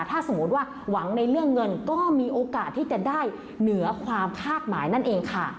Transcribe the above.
ถ้าสมมุติว่าหวังในเรื่องเงินก็มีโอกาสที่จะได้เหนือความคาดหมายนั่นเองค่ะ